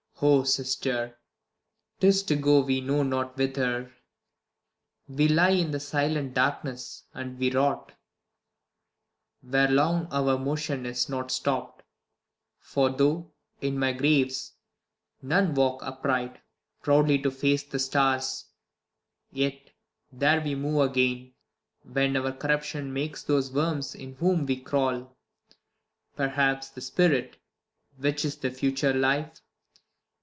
Oh sister, 'tis to go we know not whither. We lie in silent darkness, and we rot ; Where long our motion is not stopt ; for though In graves none walk upright, proudly to face THE LAW AGAINST LOVERS. 161 The stars, yet there we move again, when our Corruption makes tliose worms in whom we crawl. Perhaps the spirit, which is future life.